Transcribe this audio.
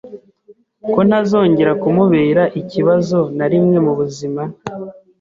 ko ntazongera kumubera ikibazo na rimwe mu buzima,